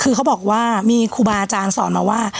คือเขาบอกว่ามีครูบาอาจารย์สอนมาว่า